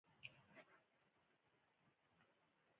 آمارتیا سېن وړانديز کړی.